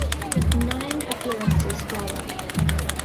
Nine appearances followed.